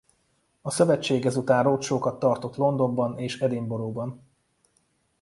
A szövetség ezután roadshow-kat tartott Londonban és Edinburgh-ban.